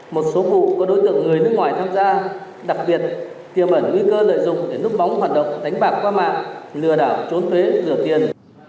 một số vụ có đối tượng người nước ngoài tham gia đặc biệt tiềm ẩn nguy cơ lợi dụng để núp bóng hoạt động đánh bạc qua mạng lừa đảo trốn thuế rửa tiền